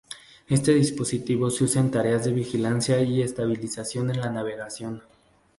Este dispositivo se usa en tareas de vigilancia y estabilización en la navegación.